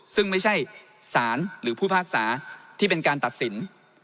ซึ่งไม่ใช่สารหรือผู้พิพากษาที่เป็นการตัดสิน